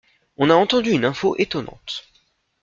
On a entendu une info étonnante.